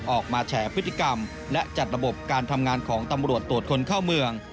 แฉพฤติกรรมและจัดระบบการทำงานของตำรวจตรวจคนเข้าเมือง